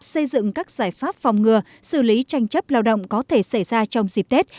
xây dựng các giải pháp phòng ngừa xử lý tranh chấp lao động có thể xảy ra trong dịp tết